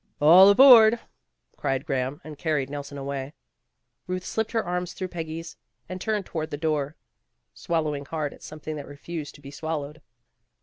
"All aboard," cried Graham, and carried Nelson away. Euth slipped her arms through Peggy's, and turned toward the door, swallow ing hard at something that refused to be swal lowed.